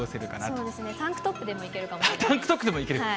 そうですね、タンクトップでもいけるかもしれない。